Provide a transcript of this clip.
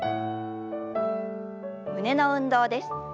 胸の運動です。